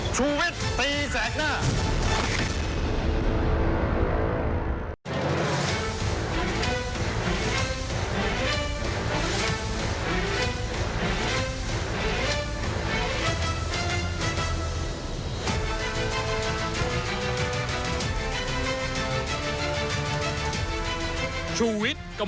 ชุวิตตีแสกหน้า